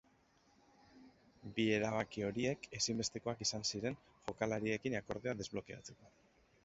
Bi erabaki horiek ezinbestekoak izan ziren jokalariekin akordioa desblokeatzeko.